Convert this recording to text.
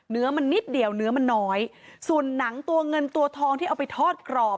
เนื้อมันนิดเดียวเนื้อมันน้อยส่วนหนังตัวเงินตัวทองที่เอาไปทอดกรอบ